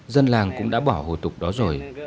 dân làng cũng đã bỏ hù tục đó rồi